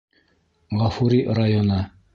Ғафури районы.